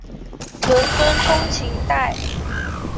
伦敦通勤带。